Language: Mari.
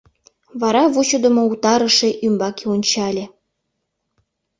Вара вучыдымо утарыше ӱмбаке ончале.